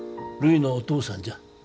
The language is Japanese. るいのお父さんじゃ。